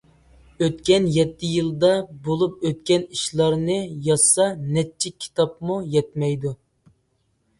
ئۆتكەن يەتتە يىلدا بولۇپ ئۆتكەن ئىشلارنى يازسا نەچچە كىتابمۇ يەتمەيدۇ.